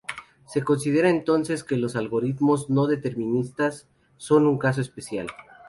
Se considera entonces que los algoritmos no deterministas son un caso especial.